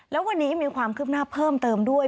แล้ววันนี้มีความคืบหน้าเพิ่มเติมด้วย